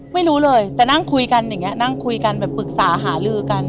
ไม่รู้เลยแต่นั่งคุยกันอย่างนี้นั่งคุยกันแบบปรึกษาหาลือกัน